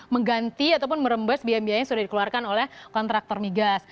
mengganti ataupun merembes biaya biaya yang sudah dikeluarkan oleh kontraktor migas